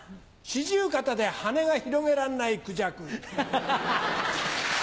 四十肩で羽が広げらんないクジャク。